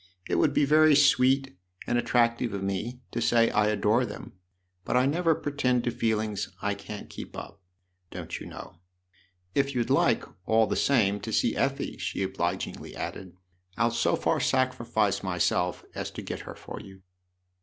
" It would be very sweet and attractive of me to say I adore them ; but I never pretend to feelings I can't keep up, don't you know ? If you'd like, all the same, to see Effie," she obligingly added, " I'll so far sacrifice myself as to get her for you."